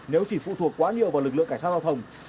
nếu chỉ phụ thuộc quá nhiều vào lực lượng cảnh sát giao thông